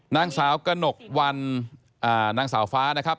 นางสาวกระหนกวันนางสาวฟ้านะครับ